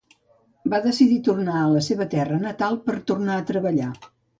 Va decidir tornar a la seva terra natal per a tornar a treballar.